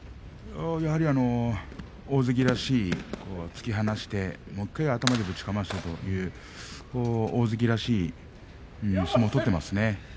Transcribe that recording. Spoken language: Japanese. やはり大関らしい突き放して頭でぶちかましてという大関らしい相撲を取っていますよね。